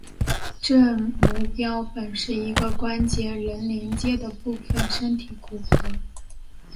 正模标本是一个关节仍连阶的部分身体骨骼。